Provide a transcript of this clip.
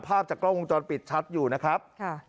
ภาพจากกล้องวงจรปิดชัดอยู่นะครับ